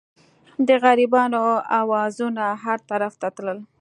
د غریبانو اوازونه هر طرف ته تلل.